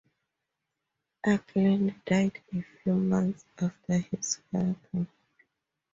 Acland died a few months after his father.